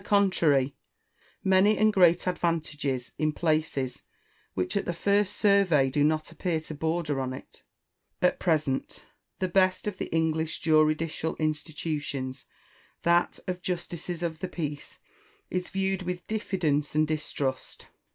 contrary, many and great advantages in places which at the first survey do not appear to border on it, At present, the best of the English juridical institutions, that of justices of the peace, is viewed with diffidence and distrust.